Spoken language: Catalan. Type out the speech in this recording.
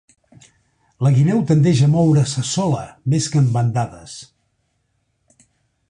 La guineu tendeix a moure's sola, més que en bandades.